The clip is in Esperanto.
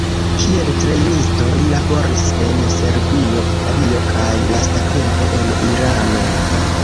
Kiel trejnisto li laboris en Serbio, Italio kaj lastatempe en Irano.